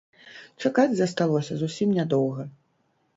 Чакаць засталося зусім нядоўга.